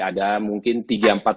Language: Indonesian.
ada mungkin tiga empat